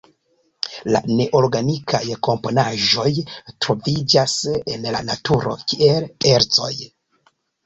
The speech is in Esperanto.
La neorganikaj komponaĵoj troviĝas en la naturo kiel ercoj.